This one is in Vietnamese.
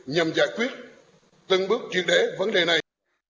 nhằm giải quyết từng bước truyền đề vấn đề này